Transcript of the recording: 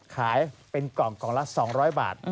ขายเป็นกล่องละ๒๐๐บาท